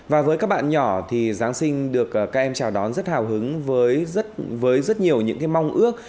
và với các bạn nhỏ thì giáng sinh được các em chào đón rất hào hứng với rất nhiều những cái mong ước